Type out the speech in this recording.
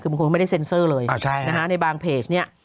คือมันคงไม่ได้เซ็นเซอร์เลยนะฮะในบางเพจนี้